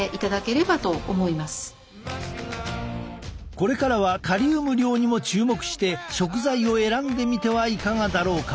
これからはカリウム量にも注目して食材を選んでみてはいかがだろうか。